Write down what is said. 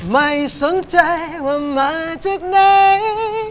ไม่สนใจว่ามาจากไหน